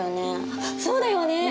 あっそうだよね！